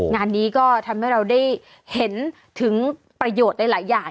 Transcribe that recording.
งานนี้ก็ทำให้เราได้เห็นถึงประโยชน์หลายอย่าง